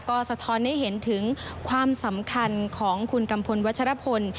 ก็สะท้อนให้เห็นถึงความสำคัญของคุณกัมพลวัชรพล